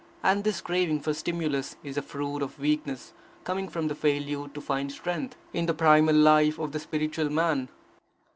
And this craving for stimulus is the fruit of weakness, coming from the failure to find strength in the primal life of the spiritual man.